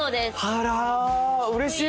あらーうれしい！